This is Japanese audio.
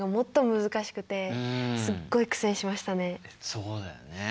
そうだよね。